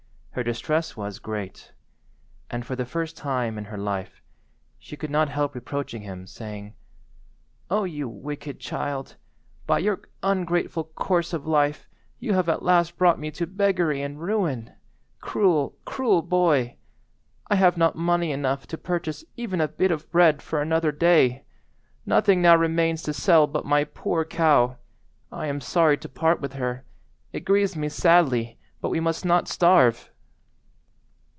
Her distress was great, and, for the first time in her life, she could not help reproaching him, saying— "O you wicked child! by your ungrateful course of life you have at last brought me to beggary and ruin. Cruel, cruel boy! I have not money enough to purchase even a bit of bread for another day. Nothing now remains to sell but my poor cow. I am sorry to part with her. It grieves me sadly, but we must not starve."